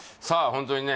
ホントにね